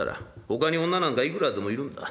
ほかに女なんかいくらでもいるんだ。